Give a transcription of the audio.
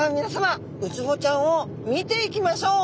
ウツボちゃんを見ていきましょう。